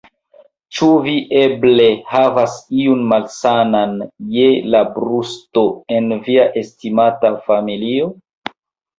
Ĉu vi eble havas iun malsanan je la brusto en via estimata familio?